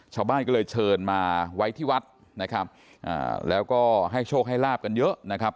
ชาวบ้านก็เลยเชิญมาไว้ที่วัดนะครับแล้วก็ให้โชคให้ลาบกันเยอะนะครับ